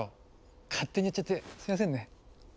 勝手にやっちゃってすみませんね。